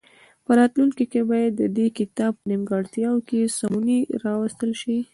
په راتلونکي کې باید د دې کتاب په نیمګړتیاوو کې سمونې راوستل شي.